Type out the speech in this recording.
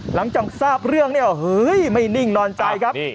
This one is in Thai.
หลังจากทราบเรื่องเนี่ยเฮ้ยไม่นิ่งนอนใจครับ